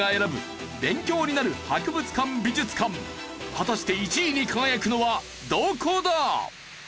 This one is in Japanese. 果たして１位に輝くのはどこだ？